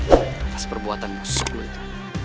atas perbuatan musuh lo itu